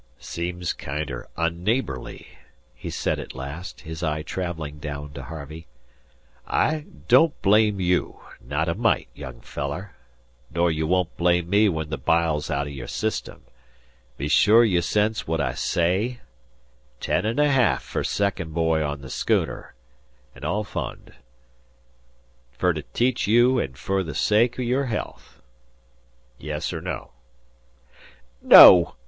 "Seems kinder unneighbourly," he said at last, his eye travelling down to Harvey. "I don't blame you, not a mite, young feeler, nor you won't blame me when the bile's out o' your systim. Be sure you sense what I say? Ten an' a ha'af fer second boy on the schooner an' all found fer to teach you an' fer the sake o' your health. Yes or no?" "No!"